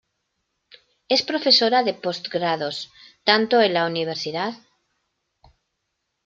Es profesora de postgrados, tanto en la Univ.